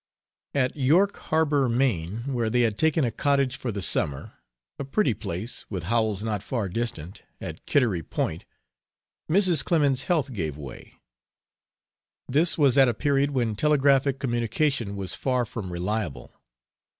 At York Harbor, Maine, where they had taken a cottage for the summer a pretty place, with Howells not far distant, at Kittery Point Mrs. Clemens's health gave way. This was at a period when telegraphic communication was far from reliable.